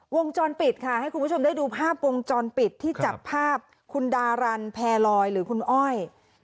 วงจรปิดค่ะให้คุณผู้ชมได้ดูภาพวงจรปิดที่จับภาพคุณดารันแพรลอยหรือคุณอ้อย